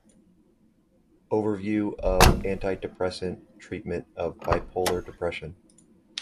Overview of antidepressant treatment of bipolar depression.